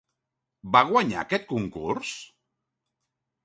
Va guanyar aquest concurs?